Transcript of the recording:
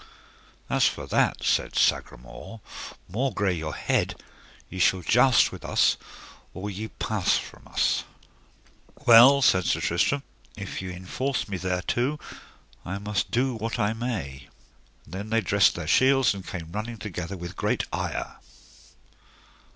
As for that, said Sagramore, maugre your head, ye shall joust with us or ye pass from us. Well, said Sir Tristram, if ye enforce me thereto I must do what I may. And then they dressed their shields, and came running together with great ire.